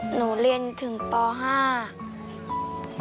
หนูเรียนถึงป๕